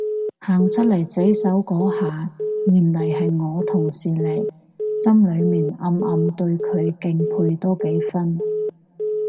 行出嚟洗手嗰下原來係我同事嚟，心裏面暗暗對佢敬佩多幾分